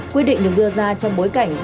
quyết định được đưa ra trong bối cảnh